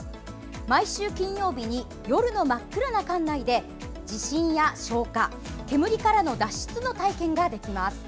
毎週金曜日に夜の真っ暗な館内で地震や消火、煙からの脱出の体験ができます。